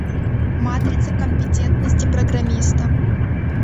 Матрица компетентности программиста.